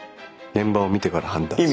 現場を見てから判断する。